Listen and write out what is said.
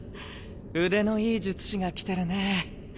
腕のいい術師が来てるね。